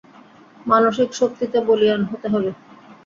মানসিক শক্তিতে বলীয়ান হতে হবে!